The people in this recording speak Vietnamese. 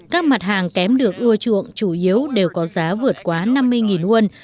các mặt hàng kém được ưa chuộng chủ yếu đều có giá vượt quá năm mươi won